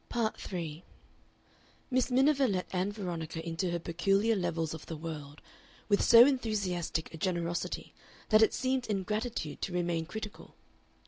Part 3 Miss Miniver let Ann Veronica into her peculiar levels of the world with so enthusiastic a generosity that it seemed ingratitude to remain critical.